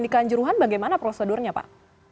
di kanjuruhan bagaimana prosedurnya pak